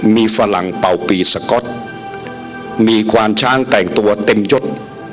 มีฝรั่งเป่าปีสก๊อตมีควานช้างแต่งตัวเต็มยด